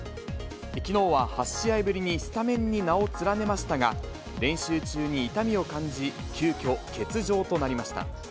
きのうは８試合ぶりにスタメンに名を連ねましたが、練習中に痛みを感じ、急きょ、欠場となりました。